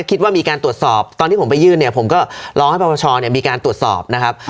คิดว่ามีการตรวจสอบตอนที่ผมไปยื่นเนี่ยผมก็ร้องให้ปรปชเนี่ยมีการตรวจสอบนะครับ